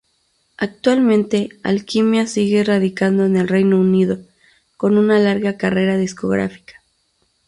Actualmente "Alquimia" sigue radicando en el Reino Unido, con una larga carrera discográfica.